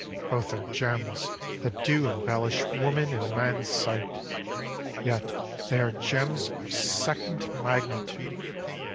Both are gems That do embellish woman in man's sight. Yet they are gems of second magnitude!